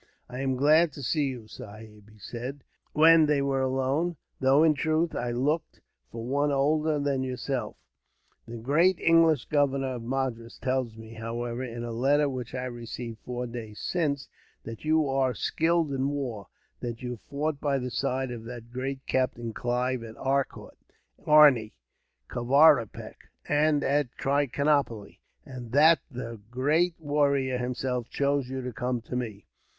"I am glad to see you, Sahib," he said, when they were alone; "though, in truth, I looked for one older than yourself. The great English governor of Madras tells me, however, in a letter which I received four days since, that you are skilled in war; that you fought by the side of that great Captain Clive at Arcot, Arni, Kavaripak, and at Trichinopoli; and that the great warrior, himself, chose you to come to me.